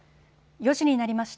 ４時になりました。